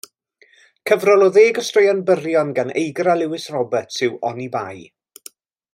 Cyfrol o ddeg o straeon byrion gan Eigra Lewis Roberts yw Oni Bai.